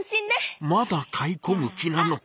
天の声まだ買いこむ気なのか。